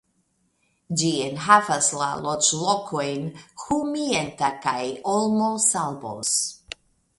Ĝi enhavas la loĝlokojn Humienta kaj Olmosalbos.